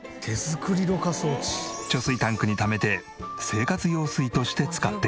貯水タンクにためて生活用水として使っている。